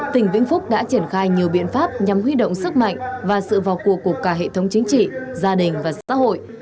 tỉnh vĩnh phúc đã triển khai nhiều biện pháp nhằm huy động sức mạnh và sự vào cuộc của cả hệ thống chính trị gia đình và xã hội